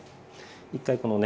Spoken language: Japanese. １回このね